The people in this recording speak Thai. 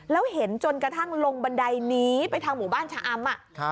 แล้วเห็นจนกระทั่งลงบันไดหนีไปทางหมู่บ้านชะอำ